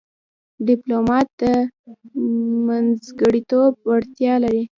ډيپلومات د منځګړیتوب وړتیا لري.